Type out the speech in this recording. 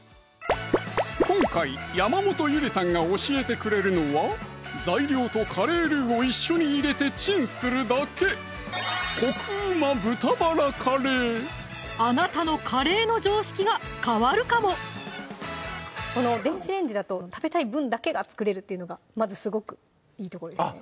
今回山本ゆりさんが教えてくれるのは材料とカレールーを一緒に入れてチンするだけあなたのカレーの常識が変わるかも電子レンジだと食べたい分だけが作れるっていうのがまずすごくいいところですね